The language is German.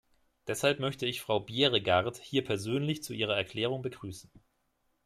Deshalb möchte ich Frau Bjerregaard hier persönlich zu ihrer Erklärung begrüßen.